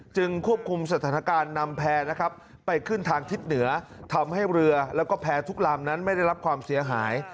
ควบคุมสถานการณ์นำแพร่นะครับไปขึ้นทางทิศเหนือทำให้เรือแล้วก็แพร่ทุกลำนั้นไม่ได้รับความเสียหาย